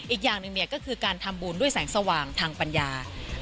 อีกอย่างหนึ่งก็คือการทำบุญด้วยแสงสว่างทางปัญญา